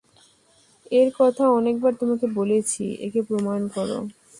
এঁর কথা অনেকবার তোমাকে বলেছি, এঁকে প্রণাম করো।